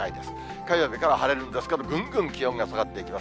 火曜日から晴れるんですけど、ぐんぐん気温が下がっていきます。